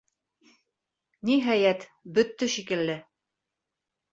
Ниһайәт, бөттө шикелле.